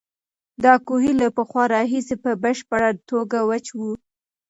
دا کوهی له پخوا راهیسې په بشپړه توګه وچ و.